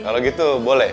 kalau gitu boleh